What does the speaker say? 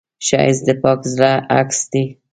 ښایست د پاک زړه عکس دی